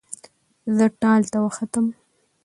زه ټال ته وختم